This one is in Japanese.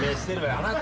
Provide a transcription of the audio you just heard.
あなた。